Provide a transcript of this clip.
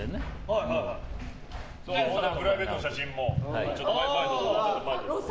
プライベートのお写真も。